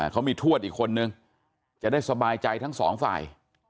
เขามีทวดอีกคนนึงจะได้สบายใจทั้งสองฝ่าย